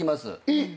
えっ！？